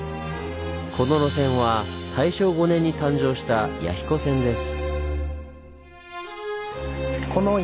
この路線は大正５年に誕生した弥彦線です。